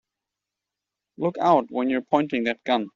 Look out where you're pointing that gun!